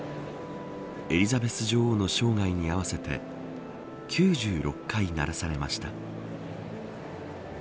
エリザベス女王の生涯に合わせて９６回、鳴らされました。